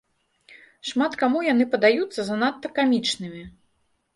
Шмат каму яны падаюцца занадта камічнымі.